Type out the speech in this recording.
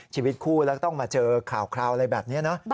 ชีวิตคู่แล้วก็ต้องมาเจอข่าวคราวอะไรแบบนี้เนอะ